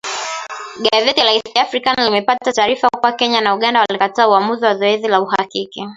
Gazeti la East African limepata taarifa kuwa Kenya na Uganda walikataa uamuzi wa zoezi la uhakiki